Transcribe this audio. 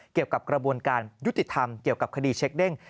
เกี่ยวกับกระบวนการยุติธรรมเกี่ยวกับคดีเช็คเด้ง